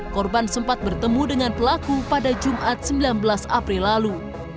korban sempat bertemu dengan pelaku pada jumat sembilan belas april lalu